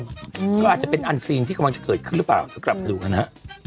ก็อาจจะเป็นอันซีนที่กำลังจะเกิดขึ้นหรือเปล่าเดี๋ยวกลับไปดูกันฮะ